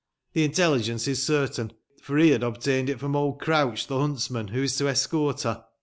The intelligence is certain, for he had obtained it from old Grouch, the huntsman, who is to escort her.